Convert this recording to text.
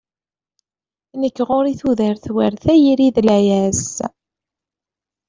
Nekk ɣur-i tudert war tayri d layas.